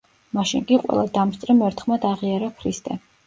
მაშინ კი ყველა დამსწრემ ერთხმად აღიარა ქრისტე.